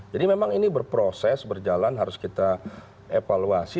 jadi memang ini berproses berjalan harus kita evaluasi